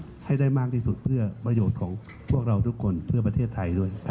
ให้ได้มากที่สุดเพื่อประโยชน์ของพวกเราทุกคนเพื่อประเทศไทยด้วย